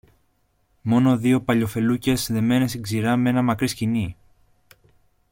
Μόνο δυο παλιοφελούκες δεμένες στην ξηρά μ' ένα μακρύ σκοινί